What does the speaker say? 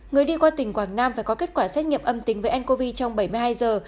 người đi qua tỉnh quảng nam phải có kết quả xét nghiệm âm tính với ncov trong bảy mươi hai giờ